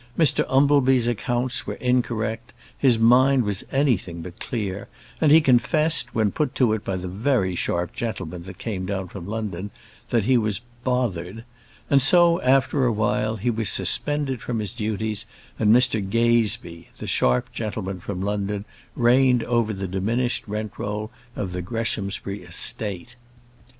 Mr Umbleby's accounts were incorrect; his mind was anything but clear, and he confessed, when put to it by the very sharp gentleman that came down from London, that he was "bothered;" and so, after a while, he was suspended from his duties, and Mr Gazebee, the sharp gentleman from London, reigned over the diminished rent roll of the Greshamsbury estate.